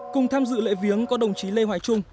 cùng tham dự lễ viếng có đồng chí lê hoài trung